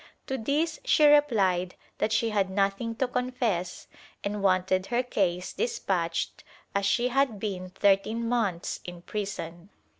To this she repHed that she had nothing to confess and wanted her case despatched as she had been thirteen months in prison.